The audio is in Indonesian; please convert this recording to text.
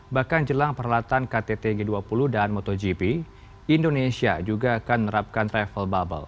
bahkan jelang perlatan ktt g dua puluh dan motogp indonesia juga akan menerapkan travel bubble